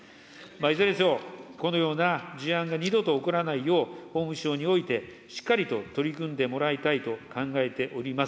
いずれにせよ、このような事案が二度と起こらないよう、法務省においてしっかりと取り組んでもらいたいと考えております。